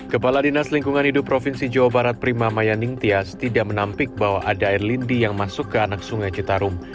kepala dinas lingkungan hidup provinsi jawa barat prima maya ningtyas tidak menampik bahwa ada air lindi yang masuk ke anak sungai citarum